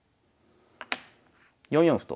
４四歩と。